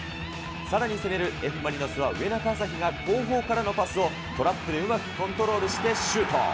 さらに攻めるＦ・マリノスは、植中朝日が後方からのパスをトラップでうまくコントロールしてシュート。